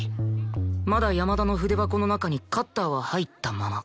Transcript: まだ山田の筆箱の中にカッターは入ったまま